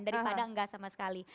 daripada enggak sama sekali